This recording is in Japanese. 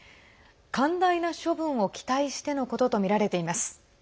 寛大な処分を期待してのこととみられています。